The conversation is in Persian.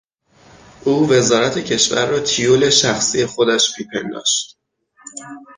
او وزارت کشور را تیول شخصی خودش میپنداشت.